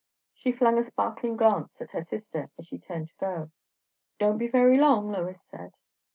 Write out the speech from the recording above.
She flung a sparkling glance at her sister as she turned to go. "Don't be very long!" Lois said.